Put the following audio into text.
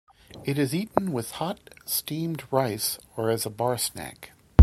It is eaten with hot, steamed rice or as a bar snack.